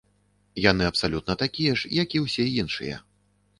Яны абсалютна такія ж, як і ўсе іншыя.